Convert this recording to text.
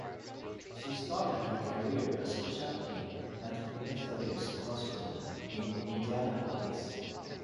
She started her career as a chaplain at Methodist Hospital in Indianapolis.